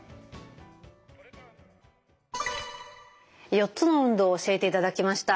４つの運動を教えていただきました。